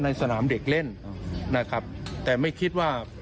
สนามเด็กเล่นนะครับแต่ไม่คิดว่า